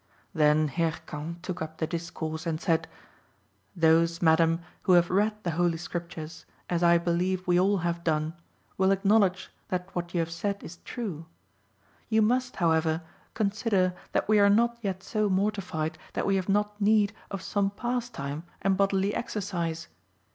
Then Hircan took up the discourse and said "Those, madam, who have read the Holy Scriptures, as I believe we all have done, will acknowledge that what you have said is true. You must, however, consider that we are not yet so mortified that we have not need of some pastime and bodily exercise.